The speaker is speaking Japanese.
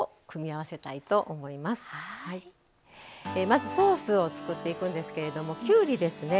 まずソースを作っていくんですけれどもきゅうりですね。